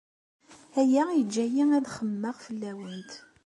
Aya yeǧǧa-iyi ad xemmemeɣ fell-awent.